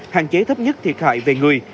hạn chế thấp nhất thiệt hại về người